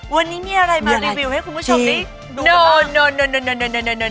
วันนี้มีอะไรมารีวิวให้คุณผู้ชมได้ดู